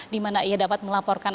dimana ia dapat melaporkan